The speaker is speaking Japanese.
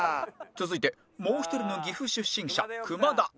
続いてもう１人の岐阜出身者熊田